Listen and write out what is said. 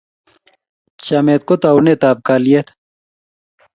Chamet ko taunetap kalyet